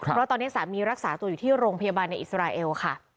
เพราะตอนนี้สามีรักษาตัวอยู่ที่โรงพยาบาลในอิสราเอลค่ะ